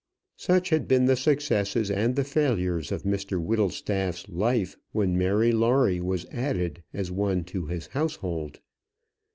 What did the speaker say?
Such had been the successes and the failures of Mr Whittlestaff's life when Mary Lawrie was added as one to his household.